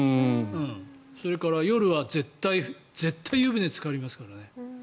それから、夜は絶対絶対、湯船につかりますからね。